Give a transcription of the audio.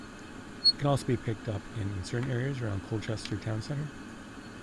It can also be picked up in certain areas around Colchester Town Centre.